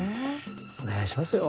お願いしますよ。